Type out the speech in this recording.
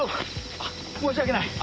あ申し訳ない！